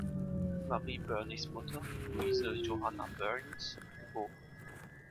Marie Bernays’ Mutter, Louise Johanna Bernays, geb.